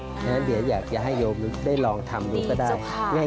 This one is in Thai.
ฉะนั้นเดี๋ยวอยากให้โยมได้ลองทำอยู่ก็ได้